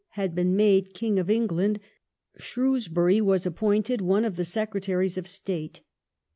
had been made King of England, Shrewsbury was appointed one of the Secretaries of State.